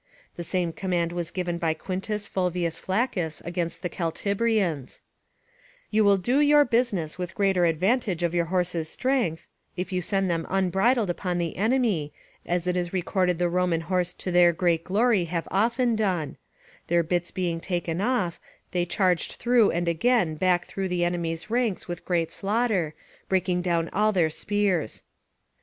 The same command was given by Quintus Fulvius Flaccus against the Celtiberians: ["You will do your business with greater advantage of your horses' strength, if you send them unbridled upon the enemy, as it is recorded the Roman horse to their great glory have often done; their bits being taken off, they charged through and again back through the enemy's ranks with great slaughter, breaking down all their spears."